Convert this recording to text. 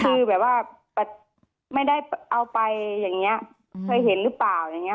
คือแบบว่าไม่ได้เอาไปอย่างนี้เคยเห็นหรือเปล่าอย่างนี้